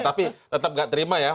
tapi tetap nggak terima ya